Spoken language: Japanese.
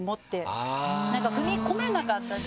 なんか踏み込めなかったし。